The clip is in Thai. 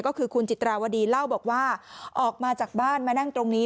ก็คือคุณจิตราวดีเล่าบอกว่าออกมาจากบ้านมานั่งตรงนี้